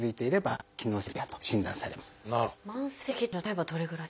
はい。